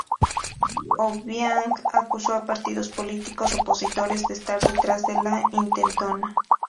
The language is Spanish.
Obiang acusó a partidos políticos opositores de estar detrás de la intentona.